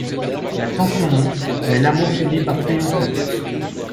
La tension monte, mais l'amour finit par triompher.